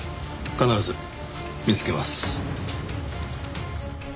必ず見つけます。